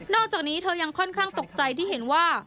อกจากนี้เธอยังค่อนข้างตกใจที่เห็นว่า